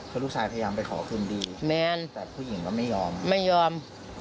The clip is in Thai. เพราะลูกชายพยายามไปขอคืนดีแมนแต่ผู้หญิงก็ไม่ยอมไม่ยอม